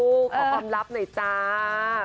ขอความลับหน่อยจ้า